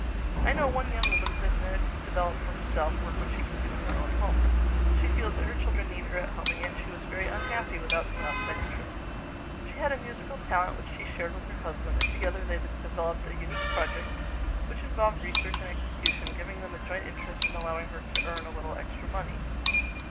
I know one young woman who has managed to develop for herself work which she can do in her own home. She feels that her children need her at home, and yet she was very unhappy without some outside interests. She had a musical talent which she shared with her husband, and together they developed a unique project which involved research and execution, giving them a joint interest and allowing her to earn a little extra money.